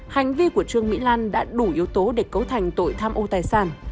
hành vi của trương mỹ lan đã đủ yếu tố để cấu thành tội tham ô tài sản